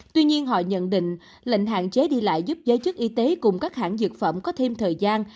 tuy nhiên họ nhận định lệnh hạn chế đi lại giúp giới chức y tế cùng các hãng dược phẩm có thêm thời gian